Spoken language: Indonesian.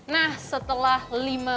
nah setelah lilinnya